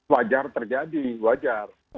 wajar terjadi wajar